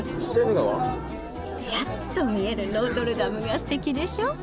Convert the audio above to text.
ちらっと見えるノートルダムがすてきでしょ？